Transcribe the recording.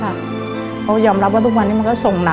เขายอมรับว่าทุกวันนี้มันก็ส่งหนัก